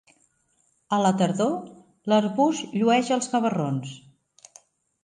A la tardor, l'arbust llueix els gavarrons.